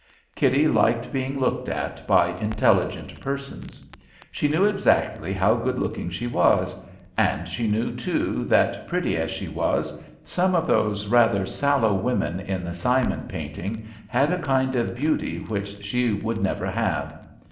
Kitty liked being looked at by intelligent persons. She knew exactly how good looking she was; and she knew, too, that, pretty as she was, some of those rather sallow women in the Simon painting had a kind of beauty which she would never have.